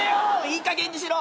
いいかげんにしろ！